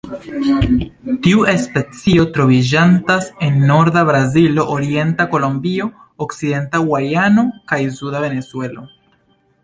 Tiu specio troviĝantas en norda Brazilo, orienta Kolombio, okcidenta Gujano, kaj suda Venezuelo.